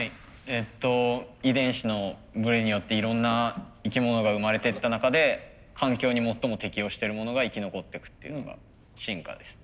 えっと遺伝子のブレによっていろんな生き物が生まれてった中で環境に最も適応してるものが生き残ってくっていうのが進化です。